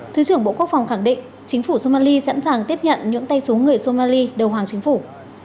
thứ trưởng bộ quốc phòng khẳng định chính phủ somali sẵn sàng tiếp nhận những tay súng người somali đầu hàng chính phủ